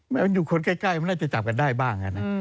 มันอยู่คนใกล้มันน่าจะจับกันได้บ้าง